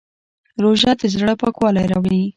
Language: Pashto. روژه د زړه پاکوالی راوړي.